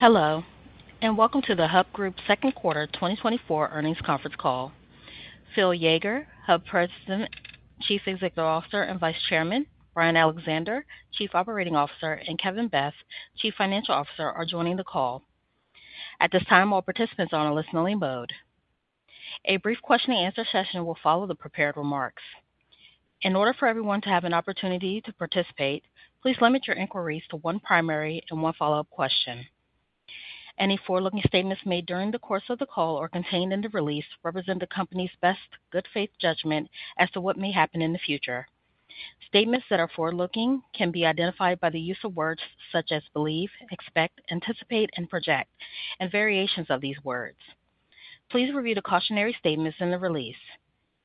Hello, and welcome to the Hub Group Second Quarter 2024 earnings conference call. Phil Yeager, Hub President, Chief Executive Officer, and Vice Chairman, Brian Alexander, Chief Operating Officer, and Kevin Beth, Chief Financial Officer, are joining the call. At this time, all participants are on a listening mode. A brief question-and-answer session will follow the prepared remarks. In order for everyone to have an opportunity to participate, please limit your inquiries to one primary and one follow-up question. Any forward-looking statements made during the course of the call or contained in the release represent the company's best good faith judgment as to what may happen in the future. Statements that are forward-looking can be identified by the use of words such as believe, expect, anticipate, and project, and variations of these words. Please review the cautionary statements in the release.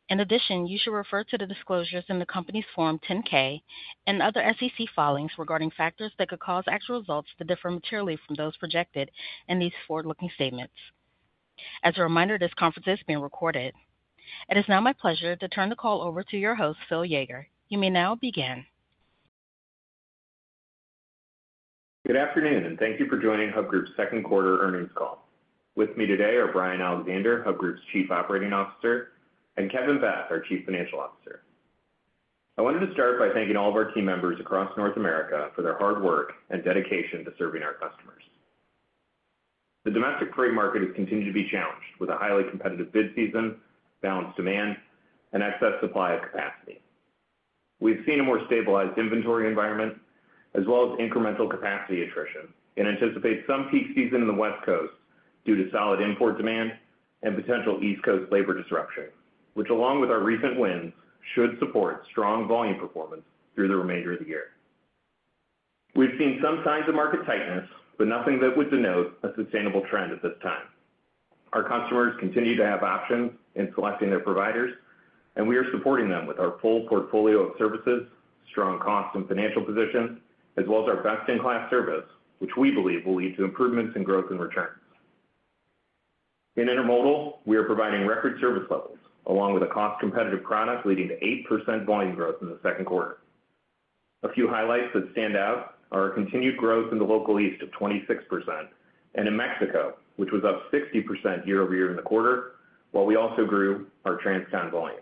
In addition, you should refer to the disclosures in the company's Form 10-K and other SEC filings regarding factors that could cause actual results to differ materially from those projected in these forward-looking statements. As a reminder, this conference is being recorded. It is now my pleasure to turn the call over to your host, Phil Yeager. You may now begin. Good afternoon, and thank you for joining Hub Group's second quarter earnings call. With me today are Brian Alexander, Hub Group's Chief Operating Officer, and Kevin Beth, our Chief Financial Officer. I wanted to start by thanking all of our team members across North America for their hard work and dedication to serving our customers. The domestic trade market has continued to be challenged with a highly competitive bid season, balanced demand, and excess supply of capacity. We've seen a more stabilized inventory environment, as well as incremental capacity attrition, and anticipate some peak season in the West Coast due to solid import demand and potential East Coast labor disruption, which, along with our recent wins, should support strong volume performance through the remainder of the year. We've seen some signs of market tightness, but nothing that would denote a sustainable trend at this time. Our customers continue to have options in selecting their providers, and we are supporting them with our full portfolio of services, strong cost and financial positions, as well as our best-in-class service, which we believe will lead to improvements in growth and returns. In Intermodal, we are providing record service levels, along with a cost-competitive product leading to 8% volume growth in the second quarter. A few highlights that stand out are our continued growth in the Local East of 26% and in Mexico, which was up 60% year-over-year in the quarter, while we also grew our transcontinental volumes.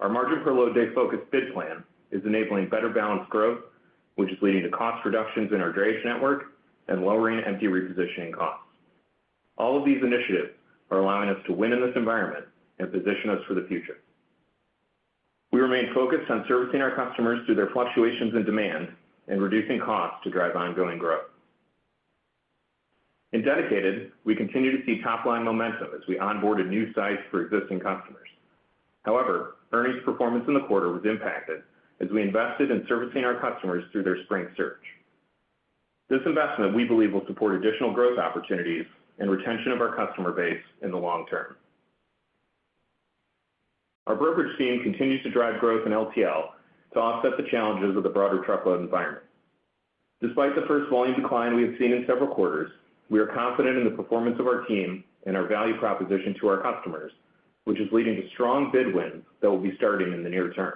Our margin per load day focused bid plan is enabling better balanced growth, which is leading to cost reductions in our drayage network and lowering empty repositioning costs. All of these initiatives are allowing us to win in this environment and position us for the future. We remain focused on servicing our customers through their fluctuations in demand and reducing costs to drive ongoing growth. In dedicated, we continue to see top-line momentum as we onboarded new sites for existing customers. However, earnings performance in the quarter was impacted as we invested in servicing our customers through their spring surge. This investment, we believe, will support additional growth opportunities and retention of our customer base in the long term. Our Brokerage team continues to drive growth in LTL to offset the challenges of the broader truckload environment. Despite the first volume decline we have seen in several quarters, we are confident in the performance of our team and our value proposition to our customers, which is leading to strong bid wins that will be starting in the near term.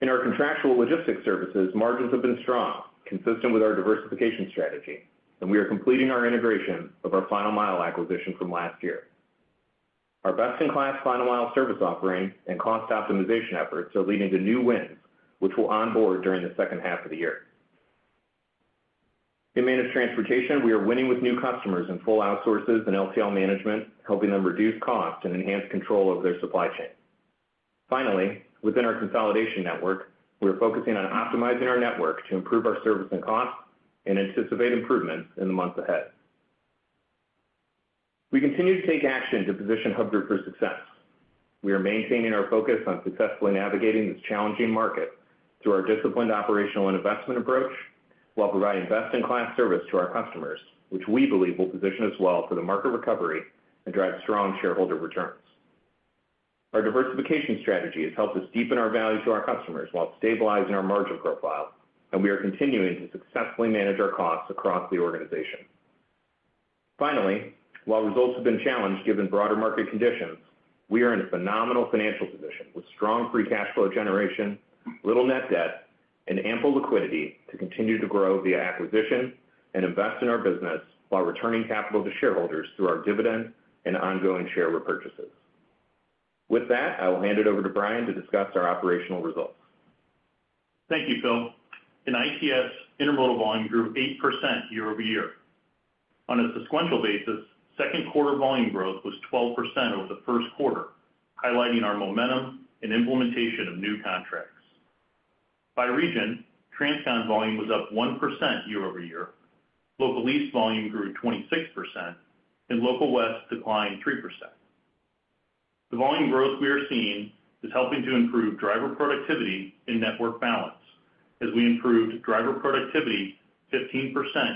In our contractual logistics services, margins have been strong, consistent with our diversification strategy, and we are completing our integration of our Final Mile acquisition from last year. Our best-in-class Final Mile service offering and cost optimization efforts are leading to new wins, which we'll onboard during the second half of the year. In Managed Transportation, we are winning with new customers and full outsources in LTL management, helping them reduce cost and enhance control over their supply chain. Finally, within our consolidation network, we are focusing on optimizing our network to improve our service and cost and anticipate improvements in the months ahead. We continue to take action to position Hub Group for success. We are maintaining our focus on successfully navigating this challenging market through our disciplined operational and investment approach while providing best-in-class service to our customers, which we believe will position us well for the market recovery and drive strong shareholder returns. Our diversification strategy has helped us deepen our value to our customers while stabilizing our margin profile, and we are continuing to successfully manage our costs across the organization. Finally, while results have been challenged given broader market conditions, we are in a phenomenal financial position with strong free cash flow generation, little net debt, and ample liquidity to continue to grow via acquisition and invest in our business while returning capital to shareholders through our dividend and ongoing share repurchases. With that, I will hand it over to Brian to discuss our operational results. Thank you, Phil. In ITS, Intermodal volume grew 8% year-over-year. On a sequential basis, second quarter volume growth was 12% over the first quarter, highlighting our momentum in implementation of new contracts. By region, transcontinental volume was up 1% year-over-year, Local East volume grew 26%, and Local West declined 3%. The volume growth we are seeing is helping to improve driver productivity and network balance as we improved driver productivity 15%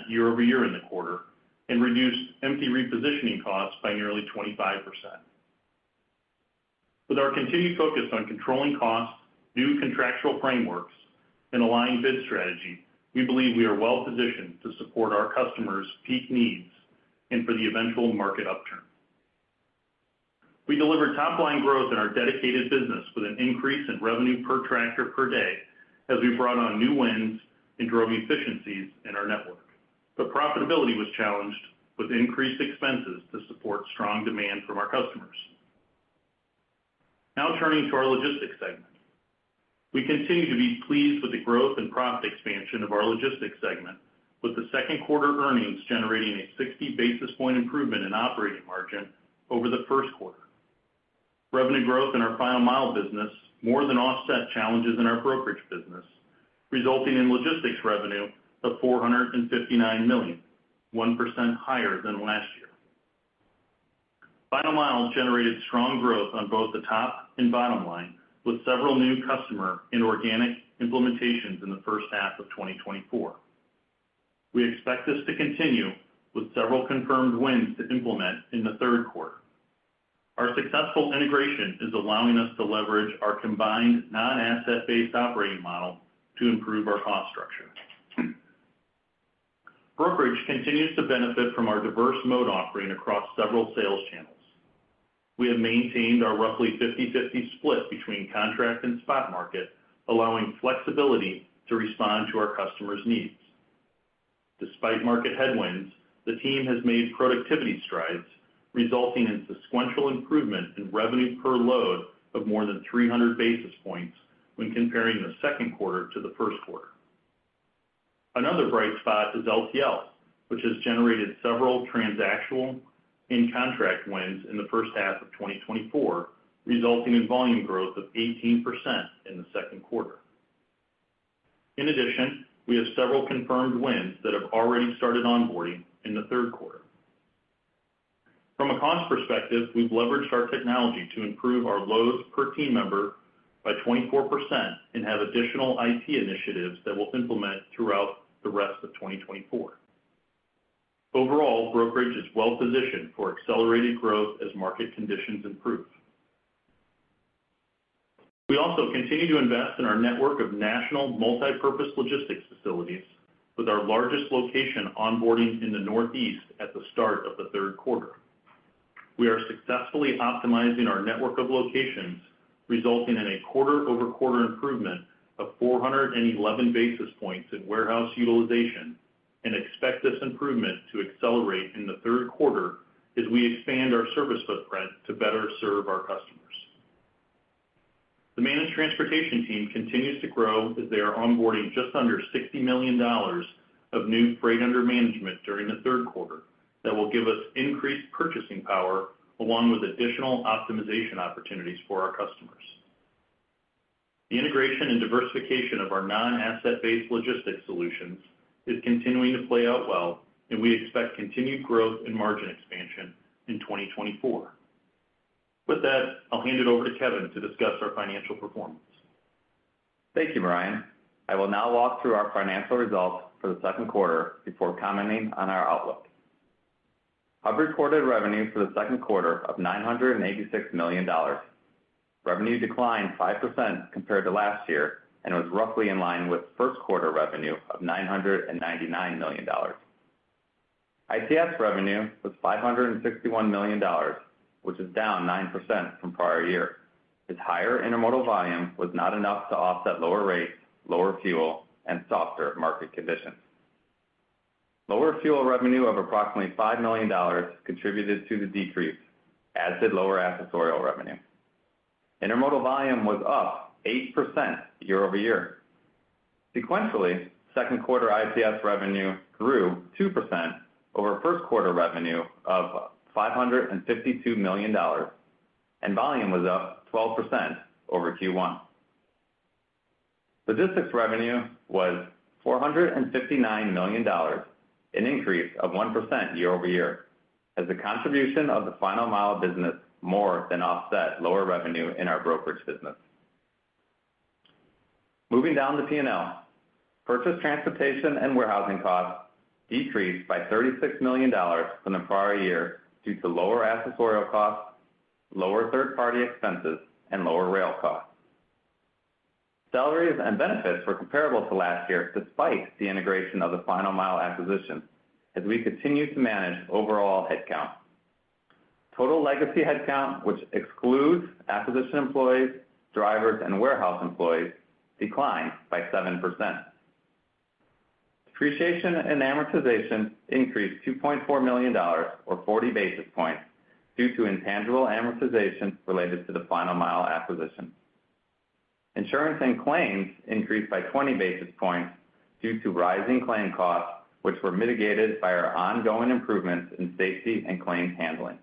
year-over-year in the quarter and reduced empty repositioning costs by nearly 25%. With our continued focus on controlling costs, new contractual frameworks, and aligned bid strategy, we believe we are well positioned to support our customers' peak needs and for the eventual market upturn. We delivered top-line growth in our dedicated business with an increase in revenue per tractor per day as we brought on new wins and drove efficiencies in our network. Profitability was challenged with increased expenses to support strong demand from our customers. Now turning to our Logistics segment, we continue to be pleased with the growth and profit expansion of our Logistics segment, with the second quarter earnings generating a 60 basis point improvement in operating margin over the first quarter. Revenue growth in our Final Mile business more than offset challenges in our Brokerage business, resulting in Logistics revenue of $459 million, 1% higher than last year. Final Mile generated strong growth on both the top and bottom line, with several new customer and organic implementations in the first half of 2024. We expect this to continue with several confirmed wins to implement in the third quarter. Our successful integration is allowing us to leverage our combined non-asset-based operating model to improve our cost structure. Brokerage continues to benefit from our diverse mode offering across several sales channels. We have maintained our roughly 50/50 split between contract and spot market, allowing flexibility to respond to our customers' needs. Despite market headwinds, the team has made productivity strides, resulting in sequential improvement in revenue per load of more than 300 basis points when comparing the second quarter to the first quarter. Another bright spot is LTL, which has generated several transactional and contract wins in the first half of 2024, resulting in volume growth of 18% in the second quarter. In addition, we have several confirmed wins that have already started onboarding in the third quarter. From a cost perspective, we've leveraged our technology to improve our loads per team member by 24% and have additional IT initiatives that we'll implement throughout the rest of 2024. Overall, brokerage is well positioned for accelerated growth as market conditions improve. We also continue to invest in our network of national multipurpose logistics facilities, with our largest location onboarding in the Northeast at the start of the third quarter. We are successfully optimizing our network of locations, resulting in a quarter-over-quarter improvement of 411 basis points in warehouse utilization, and expect this improvement to accelerate in the third quarter as we expand our service footprint to better serve our customers. The Managed Transportation team continues to grow as they are onboarding just under $60 million of new freight under management during the third quarter that will give us increased purchasing power along with additional optimization opportunities for our customers. The integration and diversification of our non-asset-based logistics solutions is continuing to play out well, and we expect continued growth and margin expansion in 2024. With that, I'll hand it over to Kevin to discuss our financial performance. Thank you, Brian. I will now walk through our financial results for the second quarter before commenting on our outlook. Hub reported revenue for the second quarter of $986 million. Revenue declined 5% compared to last year and was roughly in line with first quarter revenue of $999 million. ITS revenue was $561 million, which is down 9% from prior year. Its higher intermodal volume was not enough to offset lower rates, lower fuel, and softer market conditions. Lower fuel revenue of approximately $5 million contributed to the decrease, as did lower accessorial revenue. Intermodal volume was up 8% year-over-year. Sequentially, second quarter ITS revenue grew 2% over first quarter revenue of $552 million, and volume was up 12% over Q1. Logistics revenue was $459 million, an increase of 1% year-over-year, as the contribution of the Final Mile business more than offset lower revenue in our brokerage business. Moving down the P&L, purchased transportation and warehousing costs decreased by $36 million from the prior year due to lower accessorial costs, lower third-party expenses, and lower rail costs. Salaries and benefits were comparable to last year despite the integration of the Final Mile acquisition as we continue to manage overall headcount. Total legacy headcount, which excludes acquisition employees, drivers, and warehouse employees, declined by 7%. Depreciation and amortization increased $2.4 million, or 40 basis points, due to intangible amortization related to the Final Mile acquisition. Insurance and claims increased by 20 basis points due to rising claim costs, which were mitigated by our ongoing improvements in safety and claim handling.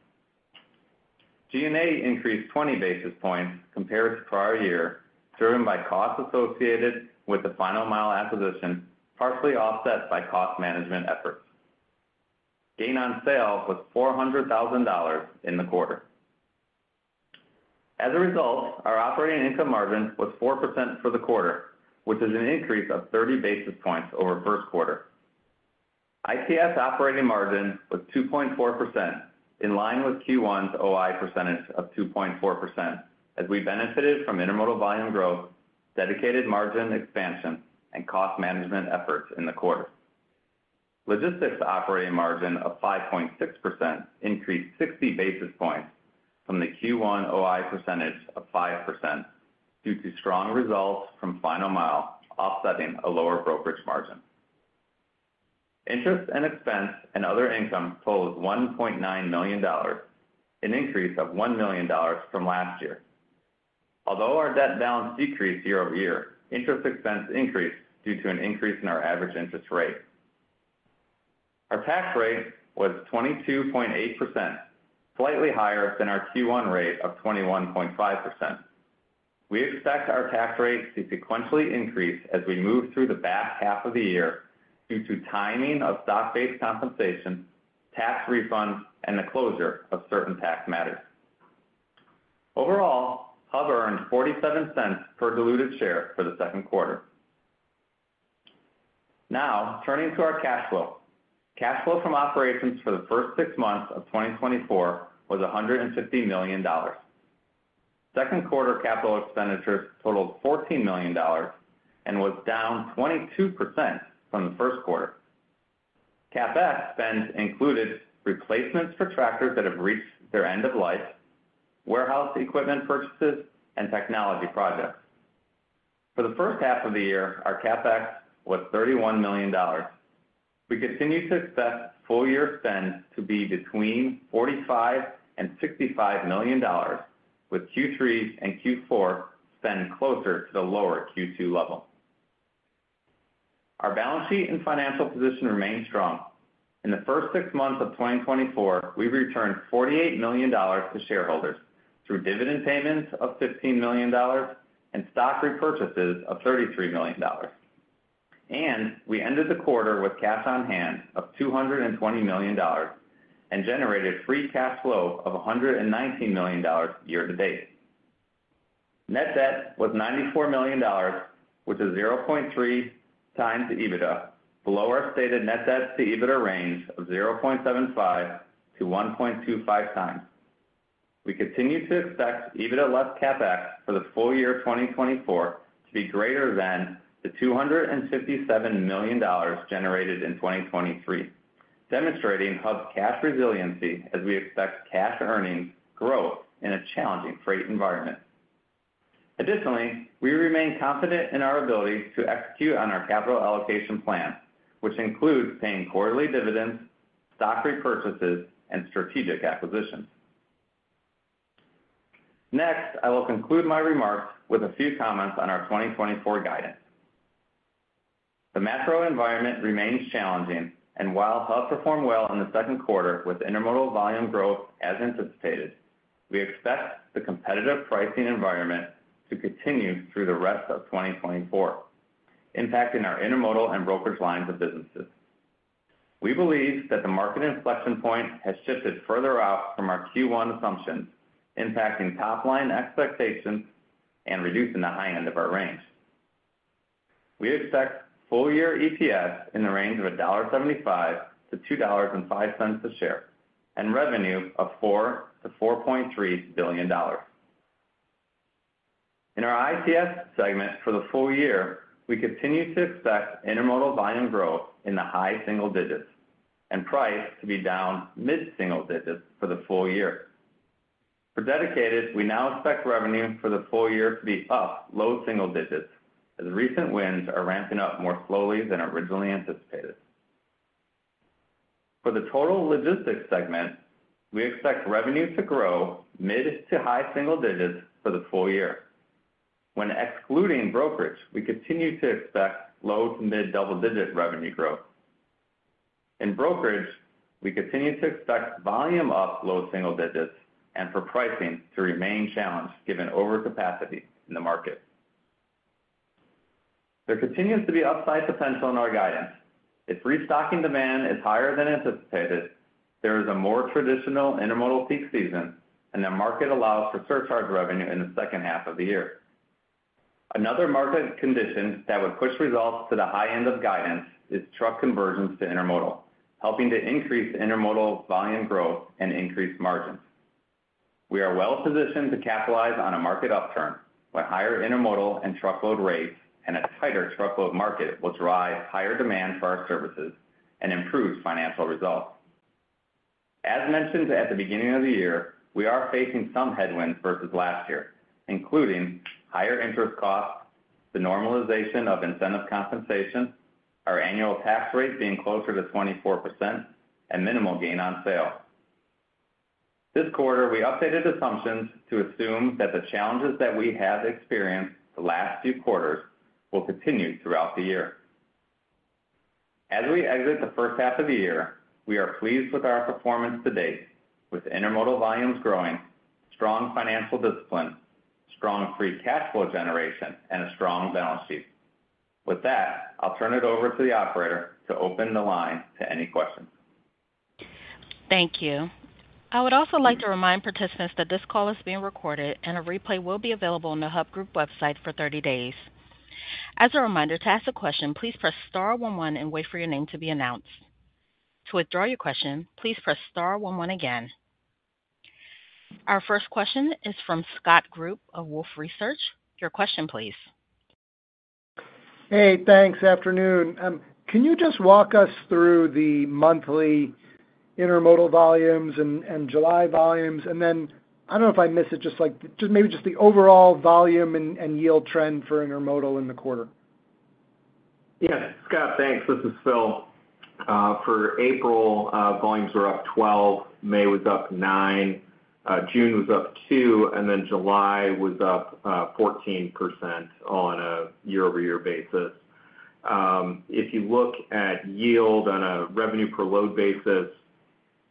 G&A increased 20 basis points compared to prior year, driven by costs associated with the Final Mile acquisition, partially offset by cost management efforts. Gain on sale was $400,000 in the quarter. As a result, our operating income margin was 4% for the quarter, which is an increase of 30 basis points over first quarter. ITS operating margin was 2.4%, in line with Q1's OI percentage of 2.4%, as we benefited from Intermodal volume growth, dedicated margin expansion, and cost management efforts in the quarter. Logistics operating margin of 5.6% increased 60 basis points from the Q1 OI percentage of 5% due to strong results from Final Mile offsetting a lower Brokerage margin. Interest expense and other income totaled $1.9 million, an increase of $1 million from last year. Although our debt balance decreased year-over-year, interest expense increased due to an increase in our average interest rate. Our tax rate was 22.8%, slightly higher than our Q1 rate of 21.5%. We expect our tax rate to sequentially increase as we move through the back half of the year due to timing of stock-based compensation, tax refunds, and the closure of certain tax matters. Overall, Hub earned $0.47 per diluted share for the second quarter. Now turning to our cash flow. Cash flow from operations for the first six months of 2024 was $150 million. Second quarter capital expenditures totaled $14 million and was down 22% from the first quarter. CapEx spend included replacements for tractors that have reached their end of life, warehouse equipment purchases, and technology projects. For the first half of the year, our CapEx was $31 million. We continue to expect full year spend to be between $45-$65 million, with Q3 and Q4 spend closer to the lower Q2 level. Our balance sheet and financial position remained strong. In the first six months of 2024, we returned $48 million to shareholders through dividend payments of $15 million and stock repurchases of $33 million. We ended the quarter with cash on hand of $220 million and generated free cash flow of $119 million year to date. Net debt was $94 million, which is 0.3 times EBITDA, below our stated net debt to EBITDA range of 0.75-1.25 times. We continue to expect EBITDA less CapEx for the full year 2024 to be greater than the $257 million generated in 2023, demonstrating Hub's cash resiliency as we expect cash earnings growth in a challenging freight environment. Additionally, we remain confident in our ability to execute on our capital allocation plan, which includes paying quarterly dividends, stock repurchases, and strategic acquisitions. Next, I will conclude my remarks with a few comments on our 2024 guidance. The macro environment remains challenging, and while Hub performed well in the second quarter with intermodal volume growth as anticipated, we expect the competitive pricing environment to continue through the rest of 2024, impacting our intermodal and brokerage lines of businesses. We believe that the market inflection point has shifted further out from our Q1 assumptions, impacting top-line expectations and reducing the high end of our range. We expect full year EPS in the range of $1.75-$2.05 a share and revenue of $4-$4.3 billion. In our ITS segment for the full year, we continue to expect intermodal volume growth in the high single digits and price to be down mid-single digits for the full year. For dedicated, we now expect revenue for the full year to be up low single digits as recent wins are ramping up more slowly than originally anticipated. For the total logistics segment, we expect revenue to grow mid to high single digits for the full year. When excluding brokerage, we continue to expect low to mid double-digit revenue growth. In brokerage, we continue to expect volume up low single digits and for pricing to remain challenged given overcapacity in the market. There continues to be upside potential in our guidance. If restocking demand is higher than anticipated, there is a more traditional intermodal peak season and the market allows for surcharge revenue in the second half of the year. Another market condition that would push results to the high end of guidance is truck conversions to intermodal, helping to increase intermodal volume growth and increase margins. We are well positioned to capitalize on a market upturn where higher intermodal and truckload rates and a tighter truckload market will drive higher demand for our services and improve financial results. As mentioned at the beginning of the year, we are facing some headwinds versus last year, including higher interest costs, the normalization of incentive compensation, our annual tax rate being closer to 24%, and minimal gain on sale. This quarter, we updated assumptions to assume that the challenges that we have experienced the last few quarters will continue throughout the year. As we exit the first half of the year, we are pleased with our performance to date, with intermodal volumes growing, strong financial discipline, strong free cash flow generation, and a strong balance sheet. With that, I'll turn it over to the operator to open the line to any questions. Thank you. I would also like to remind participants that this call is being recorded and a replay will be available on the Hub Group website for 30 days. As a reminder, to ask a question, please press star 11 and wait for your name to be announced. To withdraw your question, please press star 11 again. Our first question is from Scott Group of Wolfe Research. Your question, please. Hey, thanks. Afternoon. Can you just walk us through the monthly intermodal volumes and July volumes? And then I don't know if I missed it, just maybe just the overall volume and yield trend for intermodal in the quarter. Yeah. Scott, thanks. This is Phil. For April, volumes were up 12, May was up 9, June was up 2, and then July was up 14% on a year-over-year basis. If you look at yield on a revenue-per-load basis,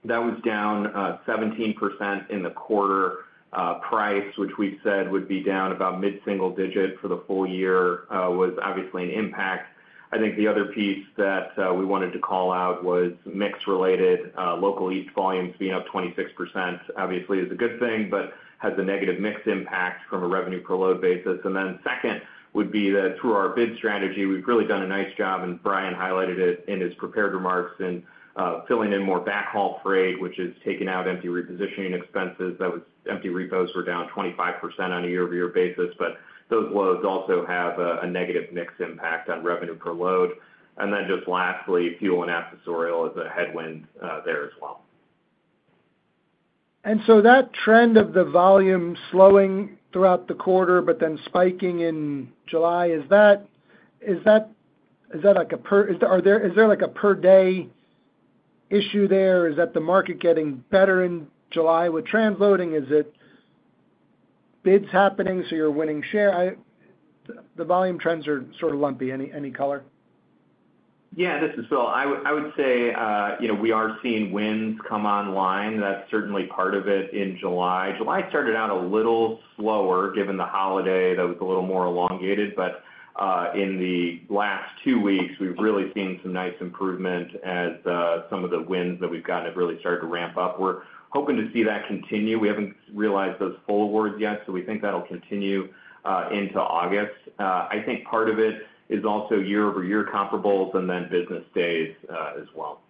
that was down 17% in the quarter. Price, which we've said would be down about mid-single digit for the full year, was obviously an impact. I think the other piece that we wanted to call out was mix-related Local East volumes being up 26%. Obviously, it's a good thing, but has a negative mix impact from a revenue-per-load basis. And then second would be that through our bid strategy, we've really done a nice job, and Brian highlighted it in his prepared remarks in filling in more backhaul freight, which is taking out empty repositioning expenses. Those empty repos were down 25% on a year-over-year basis, but those loads also have a negative mix impact on revenue-per-load. And then just lastly, fuel and accessorial is a headwind there as well. So that trend of the volume slowing throughout the quarter, but then spiking in July, is that like a per-day issue there? Is that the market getting better in July with transloading? Is it bids happening so you're winning share? The volume trends are sort of lumpy. Any color? Yeah, this is Phil. I would say we are seeing wins come online. That's certainly part of it in July. July started out a little slower given the holiday that was a little more elongated, but in the last two weeks, we've really seen some nice improvement as some of the wins that we've gotten have really started to ramp up. We're hoping to see that continue. We haven't realized those full awards yet, so we think that'll continue into August. I think part of it is also year-over-year comparables and then business days as well.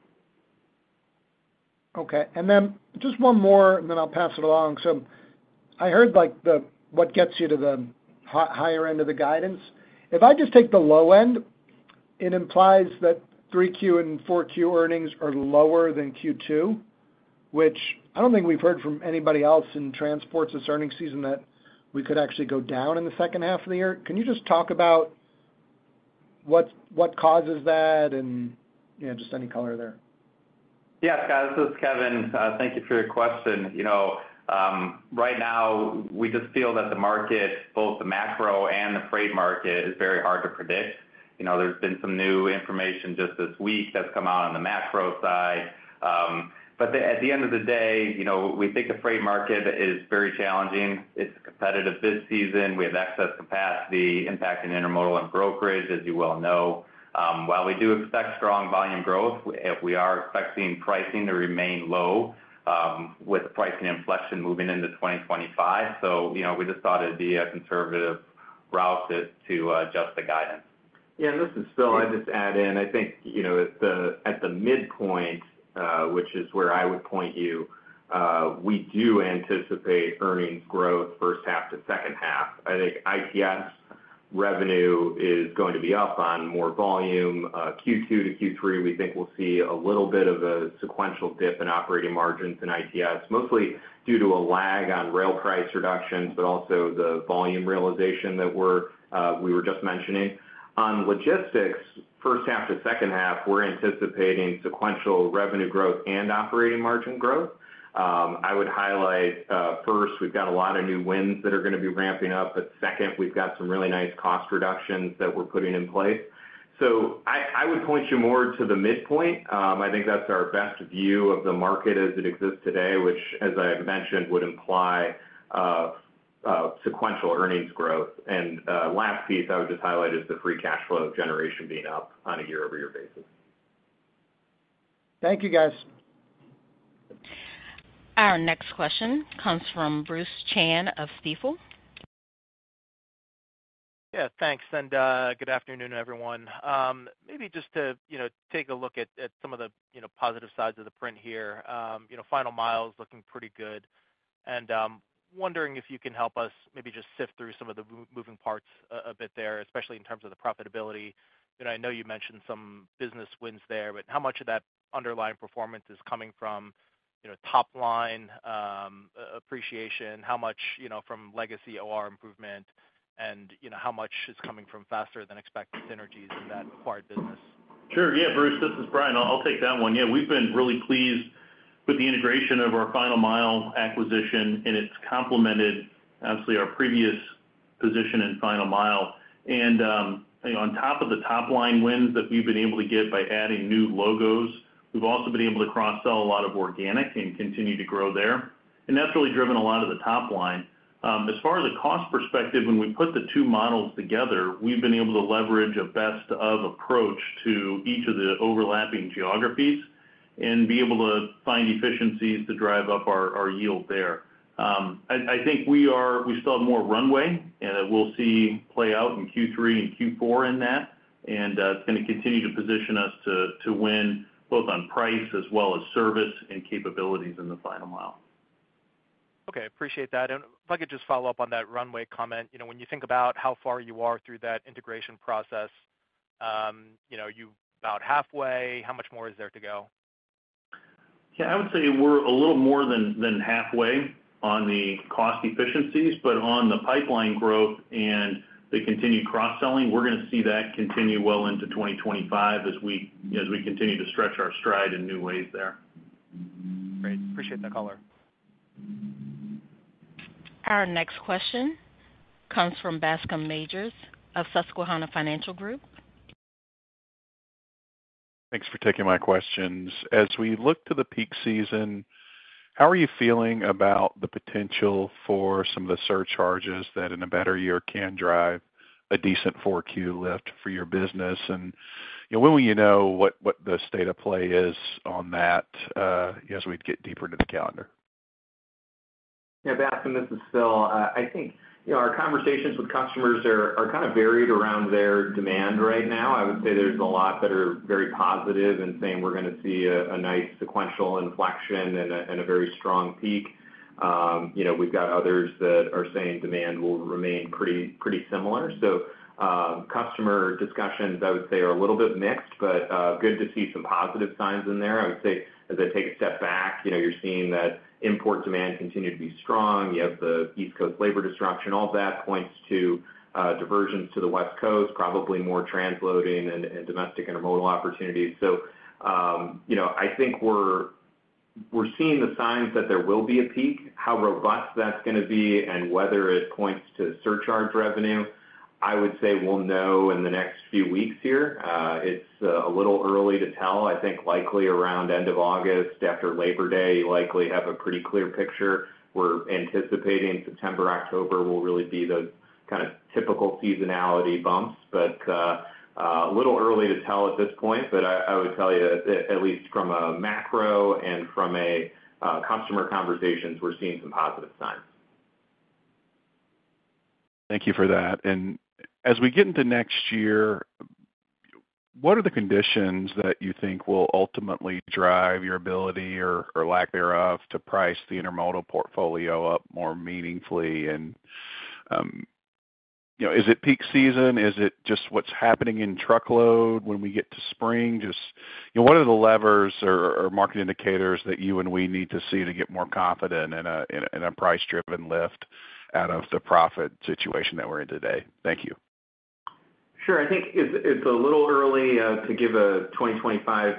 Okay. And then just one more, and then I'll pass it along. So I heard what gets you to the higher end of the guidance. If I just take the low end, it implies that 3Q and 4Q earnings are lower than Q2, which I don't think we've heard from anybody else in transports this earnings season that we could actually go down in the second half of the year. Can you just talk about what causes that and just any color there? Yeah, Scott, this is Kevin. Thank you for your question. Right now, we just feel that the market, both the macro and the freight market, is very hard to predict. There's been some new information just this week that's come out on the macro side. But at the end of the day, we think the freight market is very challenging. It's a competitive bid season. We have excess capacity impacting intermodal and brokerage, as you well know. While we do expect strong volume growth, we are expecting pricing to remain low with pricing inflection moving into 2025. So we just thought it'd be a conservative route to adjust the guidance. Yeah, and this is Phil. I just add in, I think at the midpoint, which is where I would point you, we do anticipate earnings growth first half to second half. I think ITS revenue is going to be up on more volume. Q2 to Q3, we think we'll see a little bit of a sequential dip in operating margins in ITS, mostly due to a lag on rail price reductions, but also the volume realization that we were just mentioning. On logistics, first half to second half, we're anticipating sequential revenue growth and operating margin growth. I would highlight, first, we've got a lot of new wins that are going to be ramping up, but second, we've got some really nice cost reductions that we're putting in place. So I would point you more to the midpoint. I think that's our best view of the market as it exists today, which, as I mentioned, would imply sequential earnings growth. And last piece I would just highlight is the free cash flow generation being up on a year-over-year basis. Thank you, guys. Our next question comes from Bruce Chan of Stifel. Yeah, thanks. And good afternoon, everyone. Maybe just to take a look at some of the positive sides of the print here. Final Mile looking pretty good. And wondering if you can help us maybe just sift through some of the moving parts a bit there, especially in terms of the profitability. I know you mentioned some business wins there, but how much of that underlying performance is coming from top-line appreciation? How much from legacy OR improvement? And how much is coming from faster-than-expected synergies in that acquired business? Sure. Yeah, Bruce, this is Brian. I'll take that one. Yeah, we've been really pleased with the integration of our Final Mile acquisition, and it's complemented obviously our previous position in Final Mile. And on top of the top-line wins that we've been able to get by adding new logos, we've also been able to cross-sell a lot of organic and continue to grow there. And that's really driven a lot of the top line. As far as a cost perspective, when we put the two models together, we've been able to leverage a best-of approach to each of the overlapping geographies and be able to find efficiencies to drive up our yield there. I think we still have more runway, and we'll see play out in Q3 and Q4 in that. It's going to continue to position us to win both on price as well as service and capabilities in the Final Mile. Okay. Appreciate that. If I could just follow up on that runway comment, when you think about how far you are through that integration process, you're about halfway. How much more is there to go? Yeah, I would say we're a little more than halfway on the cost efficiencies, but on the pipeline growth and the continued cross-selling, we're going to see that continue well into 2025 as we continue to stretch our stride in new ways there. Great. Appreciate that color. Our next question comes from Bascome Majors of Susquehanna Financial Group. Thanks for taking my questions. As we look to the peak season, how are you feeling about the potential for some of the surcharges that in a better year can drive a decent 4Q lift for your business? And when will you know what the state of play is on that as we get deeper into the calendar? Yeah, Bascom, this is Phil. I think our conversations with customers are kind of varied around their demand right now. I would say there's a lot that are very positive and saying we're going to see a nice sequential inflection and a very strong peak. We've got others that are saying demand will remain pretty similar. So customer discussions, I would say, are a little bit mixed, but good to see some positive signs in there. I would say as I take a step back, you're seeing that import demand continue to be strong. You have the East Coast labor disruption. All of that points to diversions to the West Coast, probably more transloading and domestic intermodal opportunities. So I think we're seeing the signs that there will be a peak. How robust that's going to be and whether it points to surcharge revenue, I would say we'll know in the next few weeks here. It's a little early to tell. I think likely around end of August after Labor Day, you likely have a pretty clear picture. We're anticipating September, October will really be those kind of typical seasonality bumps, but a little early to tell at this point. But I would tell you, at least from a macro and from customer conversations, we're seeing some positive signs. Thank you for that. As we get into next year, what are the conditions that you think will ultimately drive your ability or lack thereof to price the intermodal portfolio up more meaningfully? Is it peak season? Is it just what's happening in truckload when we get to spring? Just what are the levers or market indicators that you and we need to see to get more confident in a price-driven lift out of the profit situation that we're in today? Thank you. Sure. I think it's a little early to give a 2025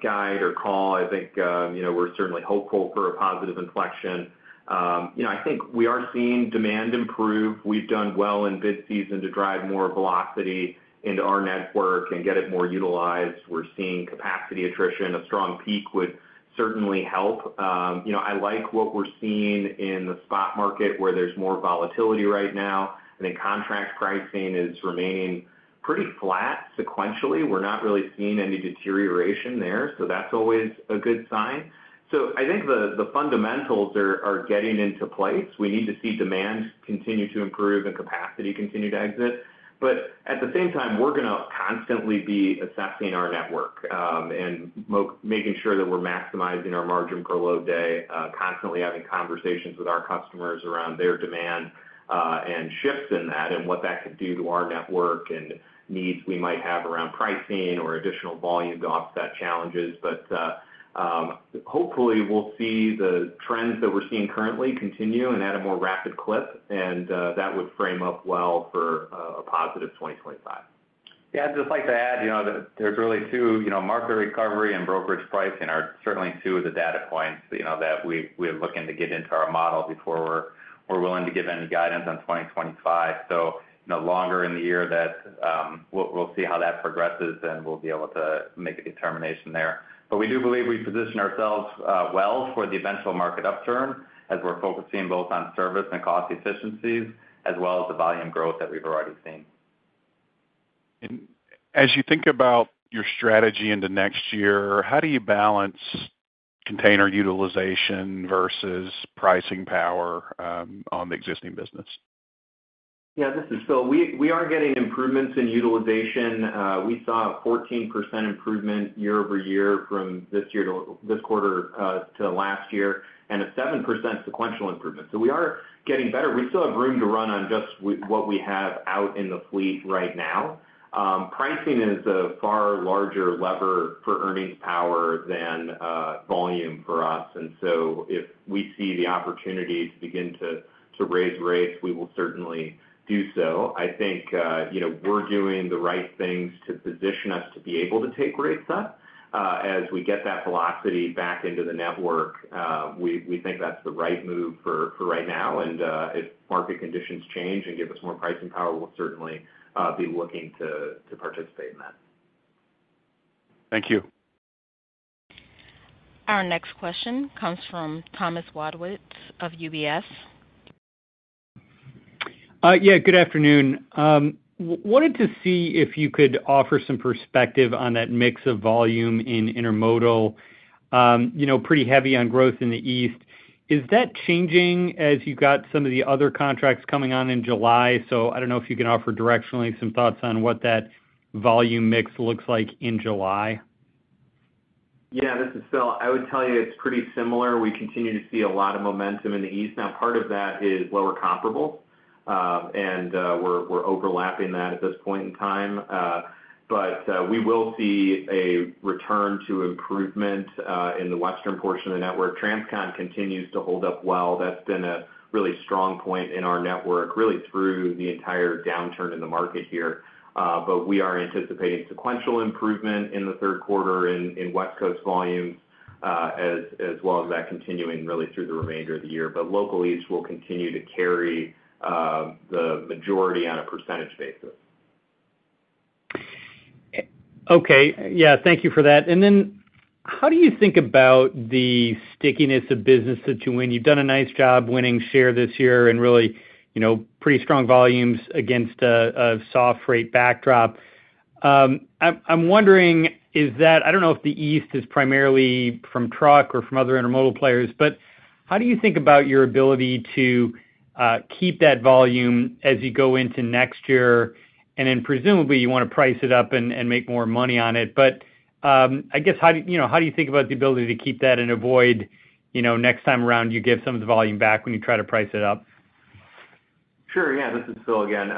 guide or call. I think we're certainly hopeful for a positive inflection. I think we are seeing demand improve. We've done well in Bid Season to drive more velocity into our network and get it more utilized. We're seeing capacity attrition. A strong peak would certainly help. I like what we're seeing in the spot market where there's more volatility right now. I think contract pricing is remaining pretty flat sequentially. We're not really seeing any deterioration there, so that's always a good sign. So I think the fundamentals are getting into place. We need to see demand continue to improve and capacity continue to exit. But at the same time, we're going to constantly be assessing our network and making sure that we're maximizing our margin per load day, constantly having conversations with our customers around their demand and shifts in that and what that could do to our network and needs we might have around pricing or additional volume to offset challenges. But hopefully, we'll see the trends that we're seeing currently continue and at a more rapid clip. And that would frame up well for a positive 2025. Yeah, I'd just like to add there's really two market recovery and brokerage pricing are certainly two of the data points that we're looking to get into our model before we're willing to give any guidance on 2025. So no longer in the year that we'll see how that progresses, and we'll be able to make a determination there. We do believe we position ourselves well for the eventual market upturn as we're focusing both on service and cost efficiencies as well as the volume growth that we've already seen. As you think about your strategy into next year, how do you balance container utilization versus pricing power on the existing business? Yeah, this is Phil. We are getting improvements in utilization. We saw a 14% improvement year-over-year from this quarter to last year and a 7% sequential improvement. So we are getting better. We still have room to run on just what we have out in the fleet right now. Pricing is a far larger lever for earnings power than volume for us. And so if we see the opportunity to begin to raise rates, we will certainly do so. I think we're doing the right things to position us to be able to take rates up. As we get that velocity back into the network, we think that's the right move for right now. And if market conditions change and give us more pricing power, we'll certainly be looking to participate in that. Thank you. Our next question comes from Thomas Wadwitz of UBS. Yeah, good afternoon. Wanted to see if you could offer some perspective on that mix of volume in intermodal. Pretty heavy on growth in the East. Is that changing as you got some of the other contracts coming on in July? So I don't know if you can offer directionally some thoughts on what that volume mix looks like in July. Yeah, this is Phil. I would tell you it's pretty similar. We continue to see a lot of momentum in the East. Now, part of that is lower comparables, and we're overlapping that at this point in time. But we will see a return to improvement in the Western portion of the network. Transcon continues to hold up well. That's been a really strong point in our network really through the entire downturn in the market here. But we are anticipating sequential improvement in the third quarter in West Coast volumes as well as that continuing really through the remainder of the year. But Local East will continue to carry the majority on a percentage basis. Okay. Yeah, thank you for that. And then how do you think about the stickiness of business that you win? You've done a nice job winning share this year and really pretty strong volumes against a soft rate backdrop. I'm wondering, I don't know if the East is primarily from truck or from other intermodal players, but how do you think about your ability to keep that volume as you go into next year? And then presumably you want to price it up and make more money on it. But I guess how do you think about the ability to keep that and avoid next time around you give some of the volume back when you try to price it up? Sure. Yeah, this is Phil again.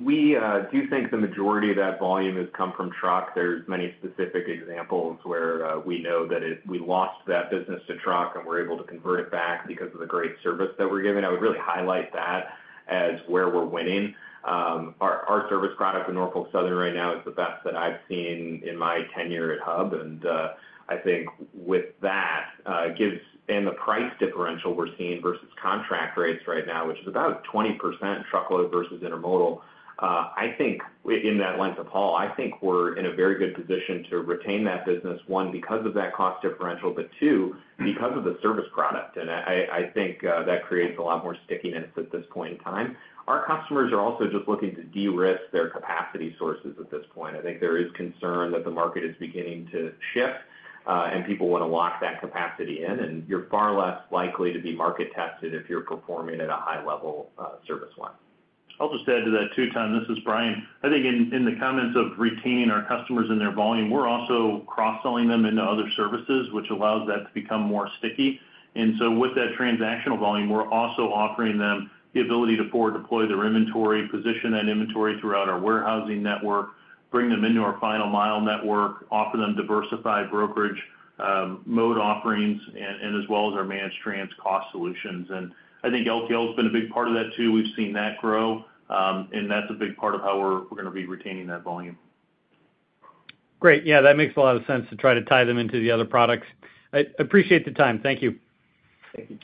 We do think the majority of that volume has come from truck. There's many specific examples where we know that we lost that business to truck and we're able to convert it back because of the great service that we're giving. I would really highlight that as where we're winning. Our service product with Norfolk Southern right now is the best that I've seen in my tenure at Hub. And I think with that and the price differential we're seeing versus contract rates right now, which is about 20% truckload versus intermodal, I think in that length of haul, I think we're in a very good position to retain that business, one, because of that cost differential, but two, because of the service product. And I think that creates a lot more stickiness at this point in time. Our customers are also just looking to de-risk their capacity sources at this point. I think there is concern that the market is beginning to shift and people want to lock that capacity in. And you're far less likely to be market tested if you're performing at a high-level service line. I'll just add to that too, Tom. This is Brian. I think in the comments of retaining our customers and their volume, we're also cross-selling them into other services, which allows that to become more sticky. And so with that transactional volume, we're also offering them the ability to forward deploy their inventory, position that inventory throughout our warehousing network, bring them into our Final Mile network, offer them diversified brokerage mode offerings, and as well as our Managed Transportation solutions. And I think LTL has been a big part of that too. We've seen that grow. That's a big part of how we're going to be retaining that volume. Great. Yeah, that makes a lot of sense to try to tie them into the other products. I appreciate the time. Thank you. Thank you.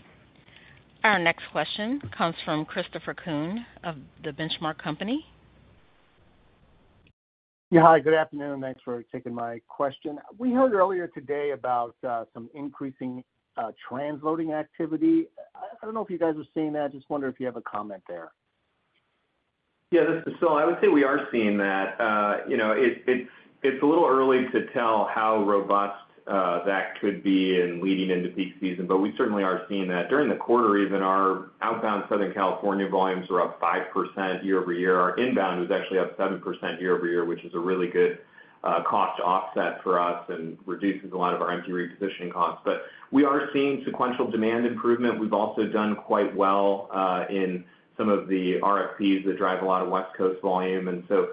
Our next question comes from Christopher Kuhn of The Benchmark Company. Yeah, hi. Good afternoon. Thanks for taking my question. We heard earlier today about some increasing transloading activity. I don't know if you guys are seeing that. Just wonder if you have a comment there? Yeah, this is Phil. I would say we are seeing that. It's a little early to tell how robust that could be in leading into peak season, but we certainly are seeing that. During the quarter even, our outbound Southern California volumes were up 5% year-over-year. Our inbound was actually up 7% year-over-year, which is a really good cost offset for us and reduces a lot of our empty repositioning costs. But we are seeing sequential demand improvement. We've also done quite well in some of the RFPs that drive a lot of West Coast volume. And so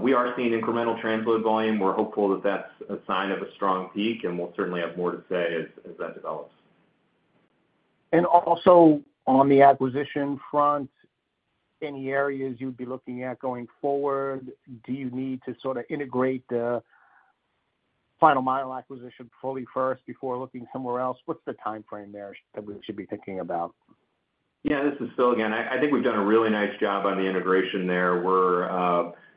we are seeing incremental transload volume. We're hopeful that that's a sign of a strong peak, and we'll certainly have more to say as that develops. And also on the acquisition front, any areas you'd be looking at going forward? Do you need to sort of integrate the Final Mile acquisition fully first before looking somewhere else? What's the timeframe there that we should be thinking about? Yeah, this is Phil again. I think we've done a really nice job on the integration there.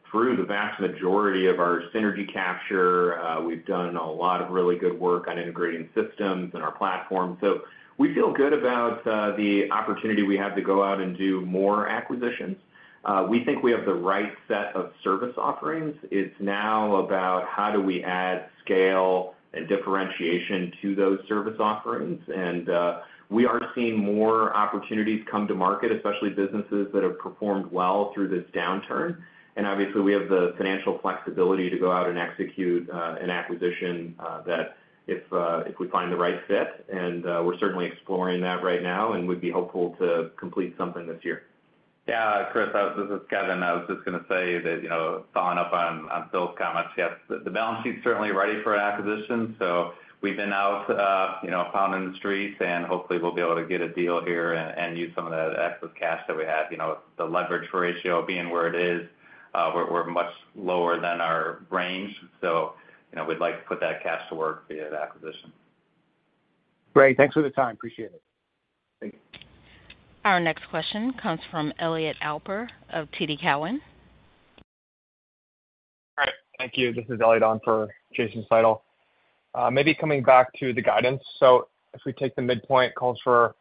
Through the vast majority of our synergy capture, we've done a lot of really good work on integrating systems and our platform. So we feel good about the opportunity we have to go out and do more acquisitions. We think we have the right set of service offerings. It's now about how do we add scale and differentiation to those service offerings. And we are seeing more opportunities come to market, especially businesses that have performed well through this downturn. And obviously, we have the financial flexibility to go out and execute an acquisition that if we find the right fit. And we're certainly exploring that right now and would be hopeful to complete something this year. Yeah, Chris, this is Kevin. I was just going to say that following up on Phil's comments, yes, the balance sheet's certainly ready for an acquisition. So we've been out pounding the streets, and hopefully we'll be able to get a deal here and use some of that excess cash that we have. The leverage ratio being where it is, we're much lower than our range. So we'd like to put that cash to work via the acquisition. Great. Thanks for the time. Appreciate it. Thank you. Our next question comes from Elliot Alper of TD Cowen. All right. Thank you. This is Elliot Alper for Jason Seidl. Maybe coming back to the guidance. So if we take the midpoint, it calls for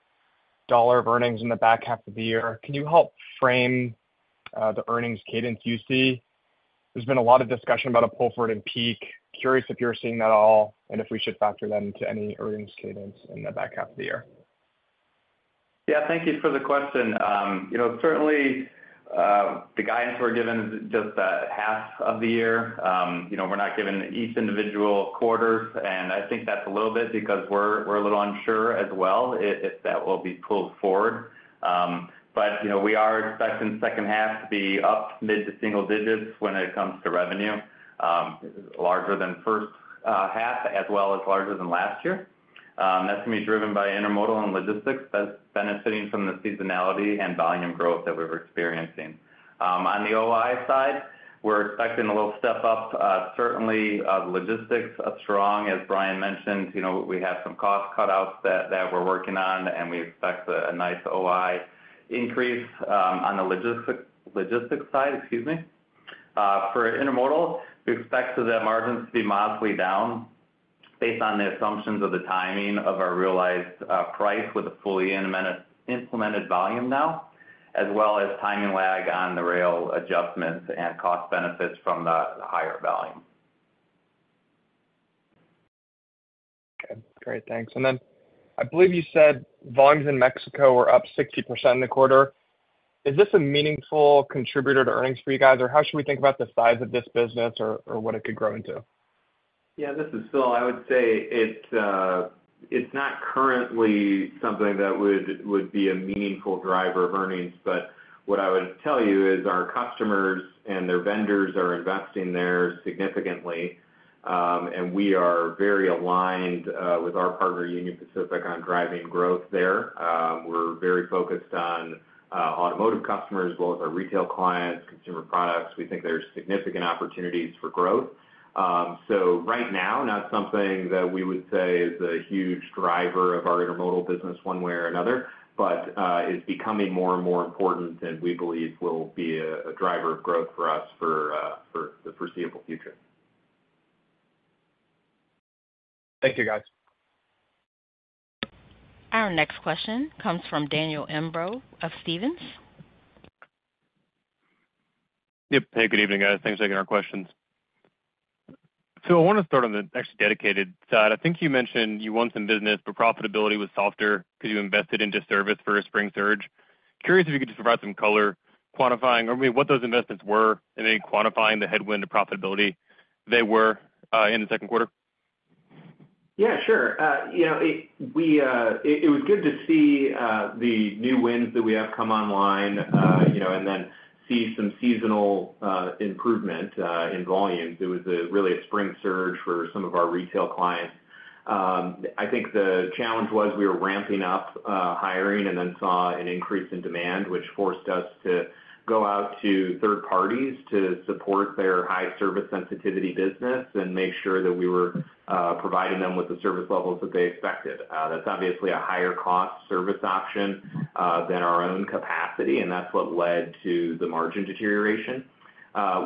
$1 of earnings in the back half of the year. Can you help frame the earnings cadence you see? There's been a lot of discussion about a pull forward and peak. Curious if you're seeing that at all and if we should factor that into any earnings cadence in the back half of the year. Yeah, thank you for the question. Certainly, the guidance we're given is just that half of the year. We're not given each individual quarters. And I think that's a little bit because we're a little unsure as well if that will be pulled forward. But we are expecting the second half to be up mid- to single digits when it comes to revenue, larger than first half, as well as larger than last year. That's going to be driven by intermodal and logistics benefiting from the seasonality and volume growth that we're experiencing. On the OI side, we're expecting a little step up. Certainly, logistics are strong, as Brian mentioned. We have some cost cutouts that we're working on, and we expect a nice OI increase on the logistics side. Excuse me. For intermodal, we expect that margins to be modestly down based on the assumptions of the timing of our realized price with the fully implemented volume now, as well as timing lag on the rail adjustments and cost benefits from the higher volume. Okay. Great. Thanks. And then I believe you said volumes in Mexico were up 60% in the quarter. Is this a meaningful contributor to earnings for you guys, or how should we think about the size of this business or what it could grow into? Yeah, this is Phil. I would say it's not currently something that would be a meaningful driver of earnings. But what I would tell you is our customers and their vendors are investing there significantly. And we are very aligned with our partner, Union Pacific, on driving growth there. We're very focused on automotive customers as well as our retail clients, consumer products. We think there are significant opportunities for growth. So right now, not something that we would say is a huge driver of our intermodal business one-way or another, but is becoming more and more important and we believe will be a driver of growth for us for the foreseeable future. Thank you, guys. Our next question comes from Daniel Imbro of Stephens. Yep. Hey, good evening, guys. Thanks for taking our questions. Phil, I want to start on the actually dedicated side. I think you mentioned you won some business, but profitability was softer because you invested into service for a spring surge. Curious if you could just provide some color quantifying or maybe what those investments were and maybe quantifying the headwind to profitability they were in the second quarter? Yeah, sure. It was good to see the new wins that we have come online and then see some seasonal improvement in volume. It was really a spring surge for some of our retail clients. I think the challenge was we were ramping up hiring and then saw an increase in demand, which forced us to go out to third parties to support their high service sensitivity business and make sure that we were providing them with the service levels that they expected. That's obviously a higher cost service option than our own capacity, and that's what led to the margin deterioration.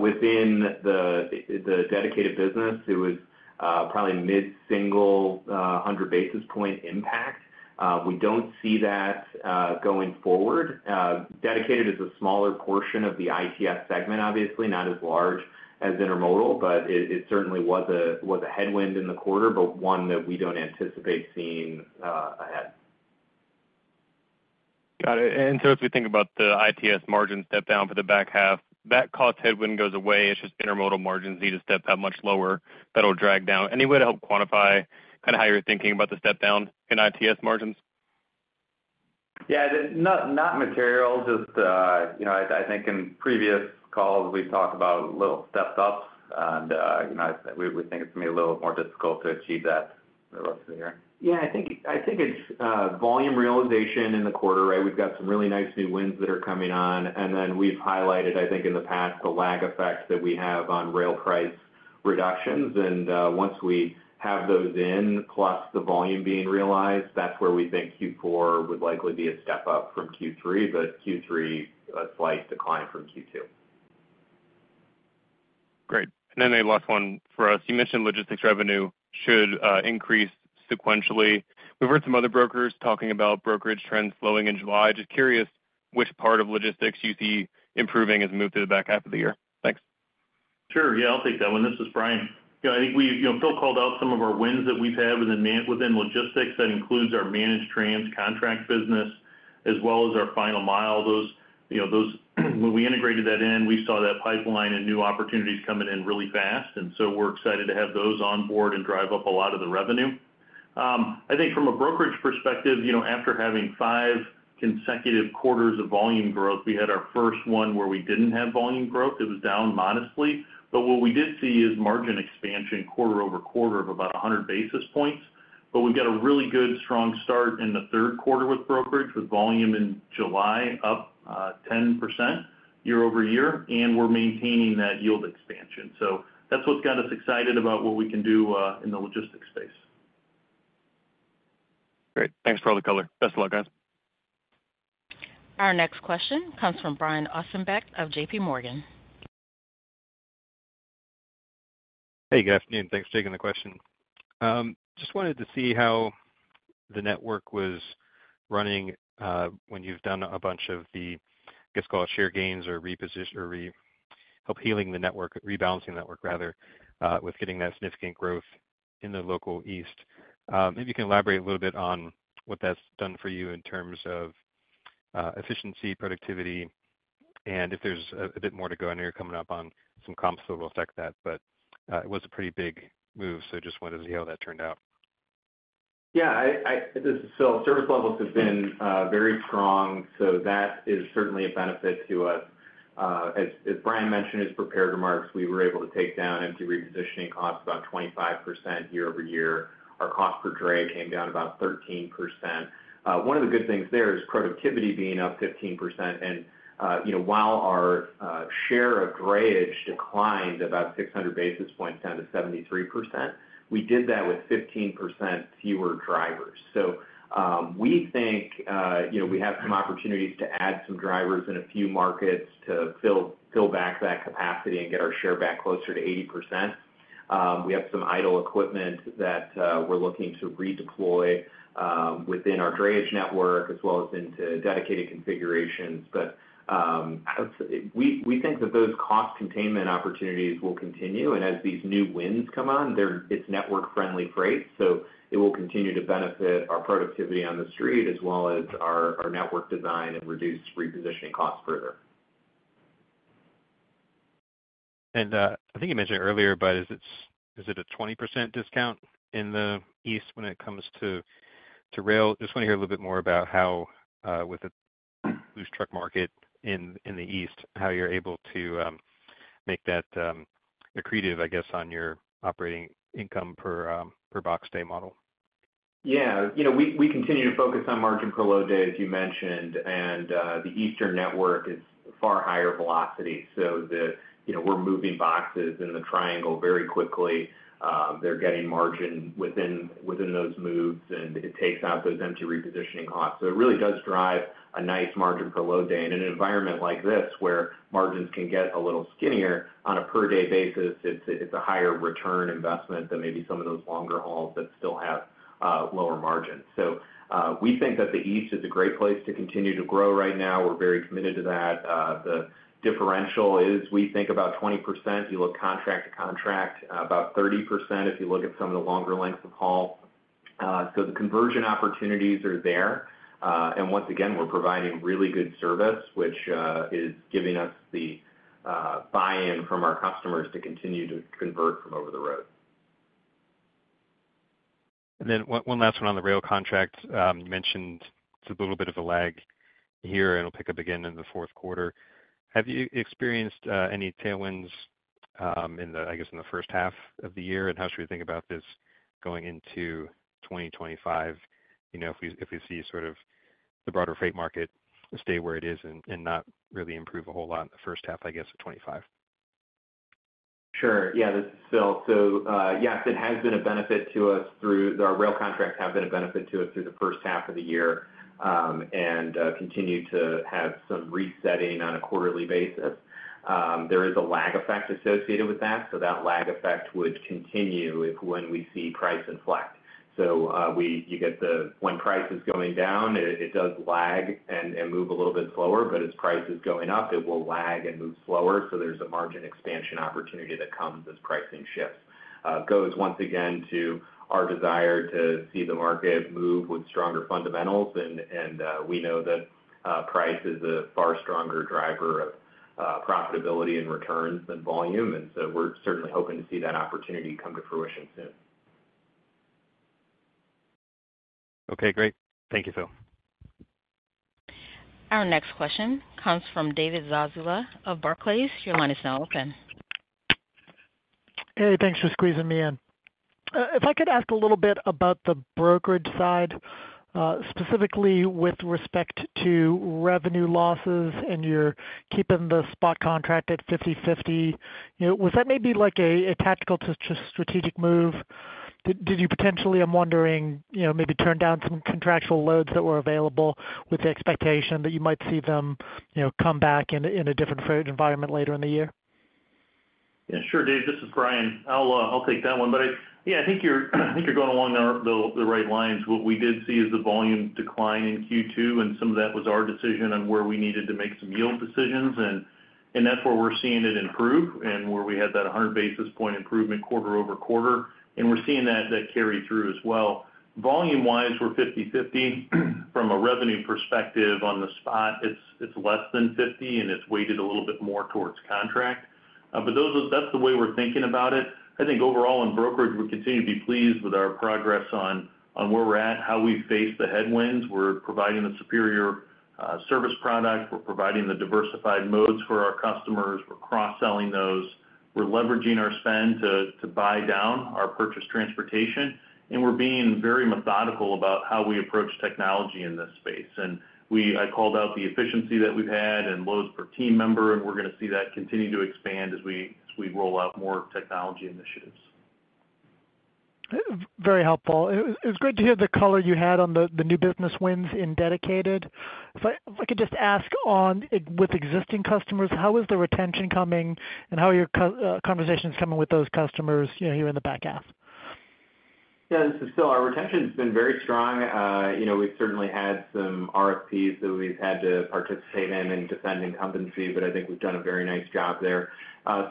Within the dedicated business, it was probably mid-single hundred basis point impact. We don't see that going forward. Dedicated is a smaller portion of the ITS segment, obviously, not as large as intermodal, but it certainly was a headwind in the quarter, but one that we don't anticipate seeing ahead. Got it. So if we think about the ITS margin step down for the back half, that cost headwind goes away. It's just intermodal margins need to step that much lower. That'll drag down. Any way to help quantify kind of how you're thinking about the step down in ITS margins? Yeah. Not material. Just I think in previous calls, we've talked about little step-ups, and we think it's going to be a little more difficult to achieve that for the rest of the year. Yeah, I think it's volume realization in the quarter, right? We've got some really nice new wins that are coming on. And then we've highlighted, I think, in the past, the lag effect that we have on rail price reductions. And once we have those in, plus the volume being realized, that's where we think Q4 would likely be a step up from Q3, but Q3, a slight decline from Q2. Great. And then a last one for us. You mentioned logistics revenue should increase sequentially. We've heard some other brokers talking about brokerage trends slowing in July. Just curious which part of logistics you see improving as we move through the back half of the year? Thanks. Sure. Yeah, I'll take that one. This is Brian. I think Phil called out some of our wins that we've had within logistics. That includes our Managed Transportation contract business as well as our Final Mile. When we integrated that in, we saw that pipeline and new opportunities coming in really fast. And so we're excited to have those on board and drive up a lot of the revenue. I think from a brokerage perspective, after having five consecutive quarters of volume growth, we had our first one where we didn't have volume growth. It was down modestly. But what we did see is margin expansion quarter-over-quarter of about 100 basis points. But we've got a really good strong start in the third quarter with brokerage, with volume in July up 10% year-over-year, and we're maintaining that yield expansion. That's what's got us excited about what we can do in the logistics space. Great. Thanks, Phillip Yeager. Best of luck, guys. Our next question comes from Brian Ossenbeck of J.P. Morgan. Hey, good afternoon. Thanks for taking the question. Just wanted to see how the network was running when you've done a bunch of the, I guess, call it share gains or help healing the network, rebalancing the network rather, with getting that significant growth in the Local East. Maybe you can elaborate a little bit on what that's done for you in terms of efficiency, productivity, and if there's a bit more to go. I know you're coming up on some comps, so we'll check that. But it was a pretty big move, so just wanted to see how that turned out. Yeah. This is Phil. Service levels have been very strong, so that is certainly a benefit to us. As Brian mentioned, his prepared remarks, we were able to take down empty repositioning costs about 25% year-over-year. Our cost per dray came down about 13%. One of the good things there is productivity being up 15%. And while our share of drayage declined about 600 basis points down to 73%, we did that with 15% fewer drivers. So we think we have some opportunities to add some drivers in a few markets to fill back that capacity and get our share back closer to 80%. We have some idle equipment that we're looking to redeploy within our drayage network as well as into dedicated configurations. But we think that those cost containment opportunities will continue. As these new wins come on, it's network-friendly freight, so it will continue to benefit our productivity on the street as well as our network design and reduce repositioning costs further. I think you mentioned earlier, but is it a 20% discount in the East when it comes to rail? Just want to hear a little bit more about how, with the soft truck market in the East, how you're able to make that accretive, I guess, on your operating income per box day model. Yeah. We continue margin per load day, as you mentioned. The Eastern network is far higher velocity. So we're moving boxes in the Triangle very quickly. They're getting margin within those moves, and it takes out those empty repositioning costs. So it really does margin per load day. in an environment like this, where margins can get a little skinnier on a per day basis, it's a higher return investment than maybe some of those longer hauls that still have lower margins. So we think that the East is a great place to continue to grow right now. We're very committed to that. The differential is we think about 20%. You look contract to contract, about 30% if you look at some of the longer length of haul. So the conversion opportunities are there. Once again, we're providing really good service, which is giving us the buy-in from our customers to continue to convert from over the road. One last one on the rail contract. You mentioned it's a little bit of a lag here, and it'll pick up again in the fourth quarter. Have you experienced any tailwinds in the, I guess, in the first half of the year? And how should we think about this going into 2025 if we see sort of the broader freight market stay where it is and not really improve a whole lot in the first half, I guess, of 2025? Sure. Yeah, this is Phil. So yes, it has been a benefit to us through our rail contracts have been a benefit to us through the first half of the year and continue to have some resetting on a quarterly basis. There is a lag effect associated with that. So that lag effect would continue if when we see price inflect. So you get the when price is going down, it does lag and move a little bit slower. But as price is going up, it will lag and move slower. So there's a margin expansion opportunity that comes as pricing shifts. Goes once again to our desire to see the market move with stronger fundamentals. And we know that price is a far stronger driver of profitability and returns than volume. And so we're certainly hoping to see that opportunity come to fruition soon. Okay. Great. Thank you, Phil. Our next question comes from David Zazula of Barclays. Your line is now open. Hey, thanks for squeezing me in. If I could ask a little bit about the brokerage side, specifically with respect to revenue losses and you're keeping the spot/contract at 50/50, was that maybe like a tactical to strategic move? Did you potentially, I'm wondering, maybe turn down some contractual loads that were available with the expectation that you might see them come back in a different freight environment later in the year? Yeah. Sure, Dave. This is Brian. I'll take that one. But yeah, I think you're going along the right lines. What we did see is the volume decline in Q2, and some of that was our decision on where we needed to make some yield decisions. And that's where we're seeing it improve and where we had that 100 basis points improvement quarter-over-quarter. And we're seeing that carry through as well. Volume-wise, we're 50/50. From a revenue perspective on the spot, it's less than 50, and it's weighted a little bit more towards contract. But that's the way we're thinking about it. I think overall in brokerage, we continue to be pleased with our progress on where we're at, how we face the headwinds. We're providing a superior service product. We're providing the diversified modes for our customers. We're cross-selling those. We're leveraging our spend to buy down our purchased transportation. We're being very methodical about how we approach technology in this space. I called out the efficiency that we've had and loads per team member, and we're going to see that continue to expand as we roll out more technology initiatives. Very helpful. It was great to hear the color you had on the new business wins in dedicated. If I could just ask, with existing customers, how is the retention coming and how are your conversations coming with those customers here in the back half? Yeah. This is Phil. Our retention has been very strong. We've certainly had some RFPs that we've had to participate in and defend incumbency, but I think we've done a very nice job there.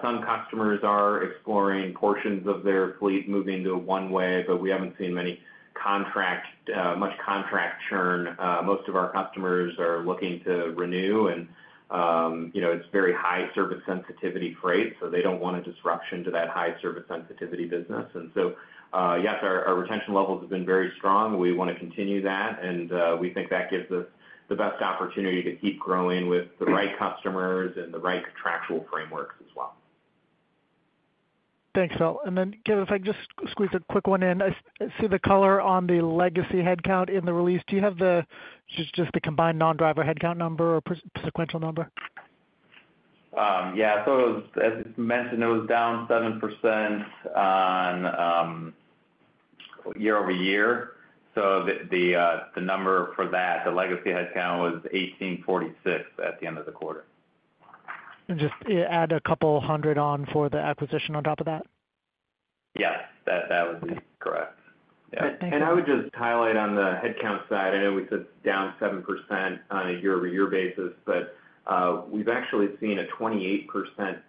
Some customers are exploring portions of their fleet moving to one-way, but we haven't seen much contract churn. Most of our customers are looking to renew, and it's very high service sensitivity freight, so they don't want a disruption to that high service sensitivity business. And so yes, our retention levels have been very strong. We want to continue that, and we think that gives us the best opportunity to keep growing with the right customers and the right contractual frameworks as well. Thanks, Phil. And then give us, if I can just squeeze a quick one in. I see the color on the legacy headcount in the release. Do you have just the combined non-driver headcount number or sequential number? Yeah. As it's mentioned, it was down 7% year-over-year. The number for that, the legacy headcount was 1,846 at the end of the quarter. Just add a couple hundred on for the acquisition on top of that? Yes. That would be correct. Yeah. Thanks. I would just highlight on the headcount side. I know we said down 7% on a year-over-year basis, but we've actually seen a 28%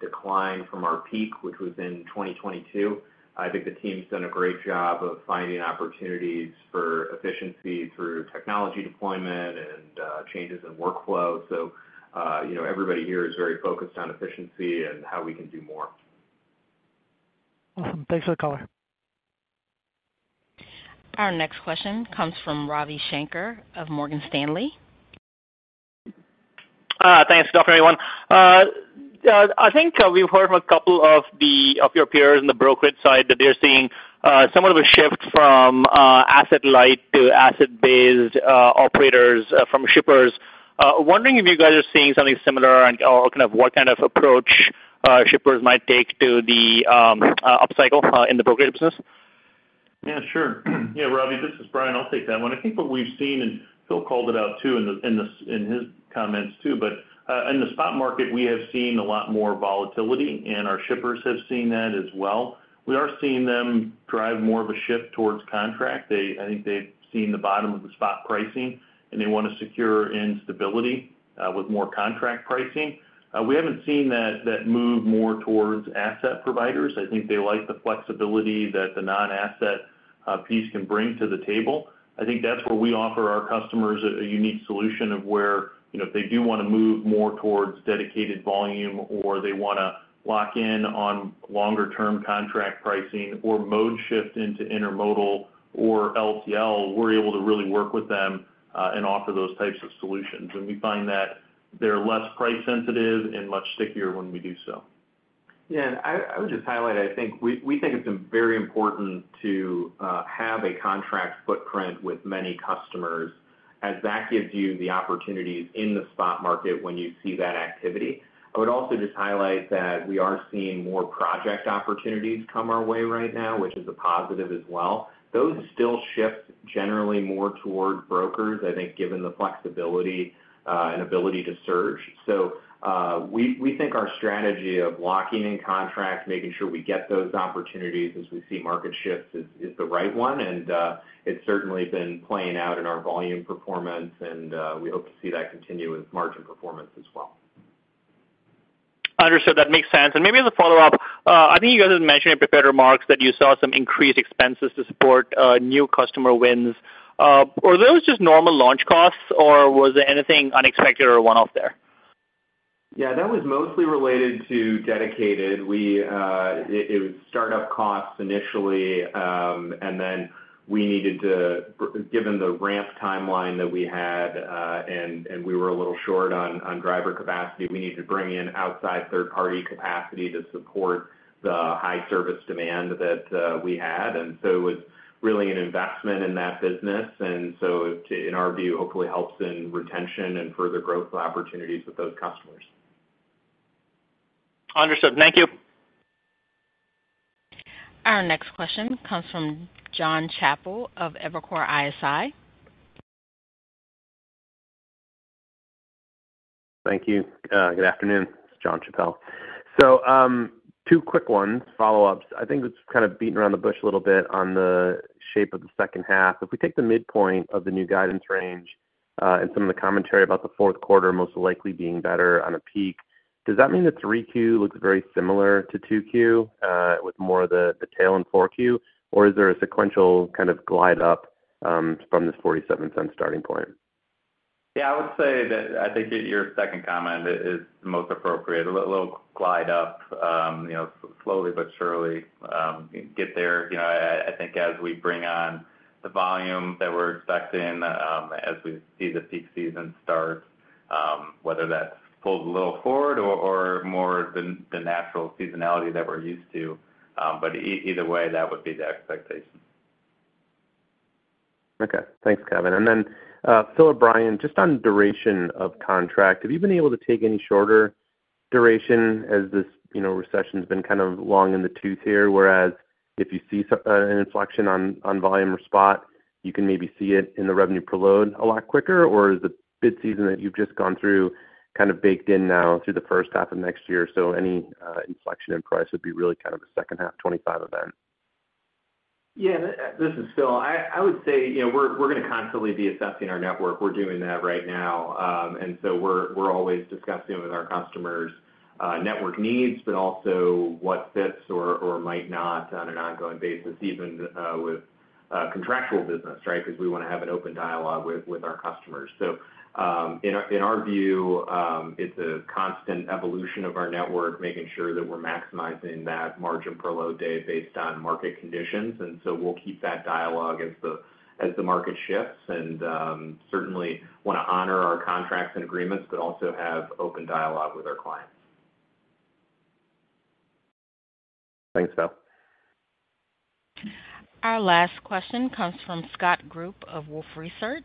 decline from our peak, which was in 2022. I think the team's done a great job of finding opportunities for efficiency through technology deployment and changes in workflow. Everybody here is very focused on efficiency and how we can do more. Awesome. Thanks for the color. Our next question comes from Ravi Shanker of Morgan Stanley. Thanks, operator, everyone. I think we've heard from a couple of your peers on the brokerage side that they're seeing somewhat of a shift from asset-light to asset-based operators from shippers. Wondering if you guys are seeing something similar and kind of what kind of approach shippers might take to the upcycle in the brokerage business? Yeah, sure. Yeah, Ravi, this is Brian. I'll take that one. I think what we've seen, and Phil called it out too in his comments too, but in the spot market, we have seen a lot more volatility, and our shippers have seen that as well. We are seeing them drive more of a shift towards contract. I think they've seen the bottom of the spot pricing, and they want to secure stability with more contract pricing. We haven't seen that move more towards asset providers. I think they like the flexibility that the non-asset piece can bring to the table. I think that's where we offer our customers a unique solution of where if they do want to move more towards dedicated volume or they want to lock in on longer-term contract pricing or mode shift into intermodal or LTL, we're able to really work with them and offer those types of solutions. And we find that they're less price-sensitive and much stickier when we do so. Yeah. And I would just highlight, I think we think it's very important to have a contract footprint with many customers as that gives you the opportunities in the spot market when you see that activity. I would also just highlight that we are seeing more project opportunities come our way right now, which is a positive as well. Those still shift generally more toward brokers, I think, given the flexibility and ability to surge. We think our strategy of locking in contracts, making sure we get those opportunities as we see market shifts is the right one. It's certainly been playing out in our volume performance, and we hope to see that continue with margin performance as well. Understood. That makes sense. Maybe as a follow-up, I think you guys had mentioned in prepared remarks that you saw some increased expenses to support new customer wins. Were those just normal launch costs, or was there anything unexpected or one-off there? Yeah. That was mostly related to dedicated. It was startup costs initially, and then we needed to, given the ramp timeline that we had and we were a little short on driver capacity, we needed to bring in outside third-party capacity to support the high service demand that we had. And so it was really an investment in that business. And so in our view, hopefully helps in retention and further growth opportunities with those customers. Understood. Thank you. Our next question comes from Jonathan Chappell of Evercore ISI. Thank you. Good afternoon. It's Jonathan Chappell. So two quick ones, follow-ups. I think it's kind of beating around the bush a little bit on the shape of the second half. If we take the midpoint of the new guidance range and some of the commentary about the fourth quarter most likely being better on a peak, does that mean that 3Q looks very similar to 2Q with more of the tail in 4Q, or is there a sequential kind of glide up from this $0.47 starting point? Yeah. I would say that I think your second comment is most appropriate. A little glide up, slowly but surely. Get there. I think as we bring on the volume that we're expecting, as we see the peak season start, whether that's pulled a little forward or more the natural seasonality that we're used to. But either way, that would be the expectation. Okay. Thanks, Kevin. And then Phil, Brian, just on duration of contract, have you been able to take any shorter duration as this recession has been kind of long in the tooth here? Whereas if you see an inflection on volume or spot, you can maybe see it in the revenue per load a lot quicker, or is the bid season that you've just gone through kind of baked in now through the first half of next year? So any inflection in price would be really kind of a second half 2025 event. Yeah. This is Phil. I would say we're going to constantly be assessing our network. We're doing that right now. And so we're always discussing with our customers network needs, but also what fits or might not on an ongoing basis, even with contractual business, right, because we want to have an open dialogue with our customers. So in our view, it's a constant evolution of our network, making sure that margin per load day based on market conditions. And so we'll keep that dialogue as the market shifts and certainly want to honor our contracts and agreements, but also have open dialogue with our clients. Thanks, Phil. Our last question comes from Scott Group of Wolfe Research.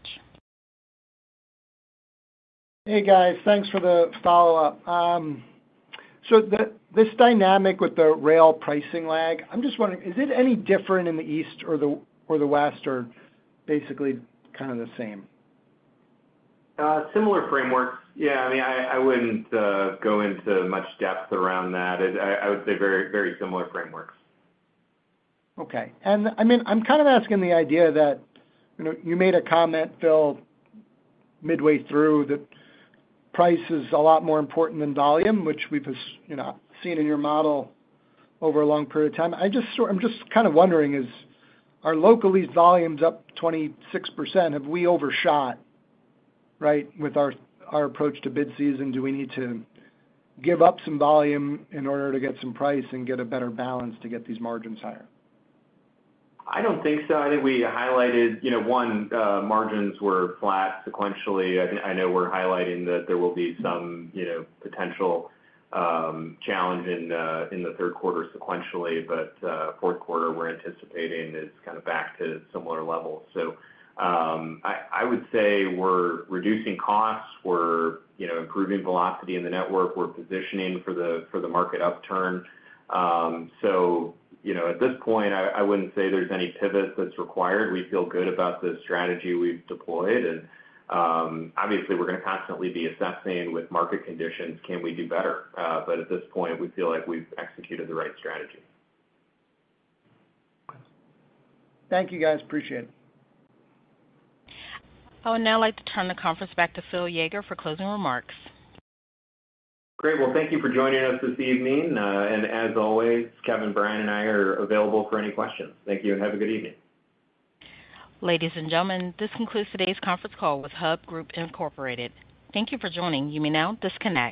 Hey, guys. Thanks for the follow-up. So this dynamic with the rail pricing lag, I'm just wondering, is it any different in the East or the West or basically kind of the same? Similar frameworks. Yeah. I mean, I wouldn't go into much depth around that. I would say very similar frameworks. Okay. I mean, I'm kind of asking the idea that you made a comment, Phil, midway through that price is a lot more important than volume, which we've seen in your model over a long period of time. I'm just kind of wondering, are local volumes up 26%? Have we overshot, right, with our approach to bid season? Do we need to give up some volume in order to get some price and get a better balance to get these margins higher? I don't think so. I think we highlighted, one, margins were flat sequentially. I know we're highlighting that there will be some potential challenge in the third quarter sequentially, but fourth quarter we're anticipating is kind of back to similar levels. So I would say we're reducing costs. We're improving velocity in the network. We're positioning for the market upturn. So at this point, I wouldn't say there's any pivot that's required. We feel good about the strategy we've deployed. And obviously, we're going to constantly be assessing with market conditions, can we do better? But at this point, we feel like we've executed the right strategy. Thank you, guys. Appreciate it. I would now like to turn the conference back to Phil Yeager for closing remarks. Great. Well, thank you for joining us this evening. As always, Kevin, Brian, and I are available for any questions. Thank you and have a good evening. Ladies and gentlemen, this concludes today's conference call with Hub Group Incorporated. Thank you for joining. You may now disconnect.